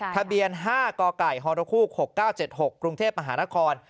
ทะเบียน๕กฮฮ๖๙๗๖กรุงเทพฯมหานคร